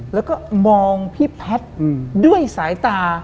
แล้วก็มองพี่แพทย์ด้วยสายตา